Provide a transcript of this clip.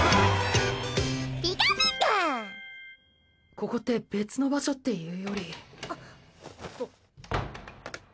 ここって別の場所っていうより。